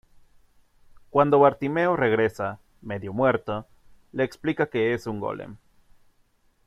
Cuando Bartimeo regresa, medio muerto, le explica que es un Golem.